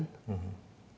tidak ada yang membuatnya